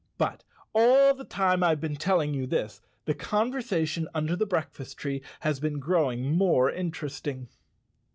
But all the time I've been telling you this, the con¬ versation under the breakfast tree has been growing more interesting.